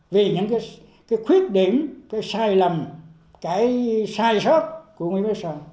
vì những cái khuyết điểm cái sai lầm cái sai sót của ông bắc son